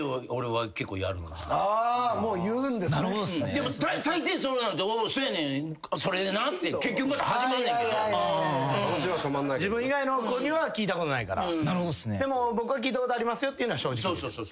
でもたいていそうなると「そうやねん。それでな」って結局また始まんねんけど。自分以外の子には聞いたことないからでも「僕は聞いたことありますよ」って言うのは正直。